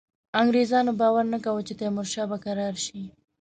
انګرېزانو باور نه کاوه چې تیمورشاه به کرار شي.